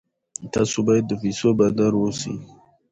تاسو باید د پیسو بادار اوسئ.